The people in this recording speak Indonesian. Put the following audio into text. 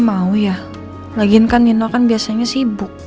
mau ya lagiin kan nino kan biasanya sibuk